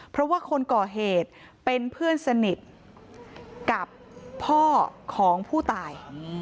เพราะว่าคนก่อเหตุเป็นเพื่อนสนิทกับพ่อของผู้ตาย